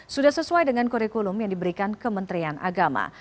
sudah sesuai dengan kurikulum yang diberikan kementerian agama